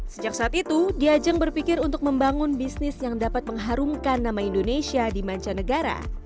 sejak saat itu diajang berpikir untuk membangun bisnis yang dapat mengharumkan nama indonesia di mancanegara